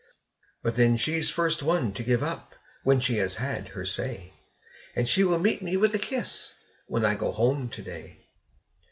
But then she's first one to give up when she has had her say; And she will meet me with a kiss, when I go home to day.